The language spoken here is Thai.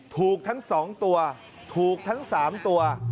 ถูกทั้ง๒ตัวถูกทั้ง๓ตัว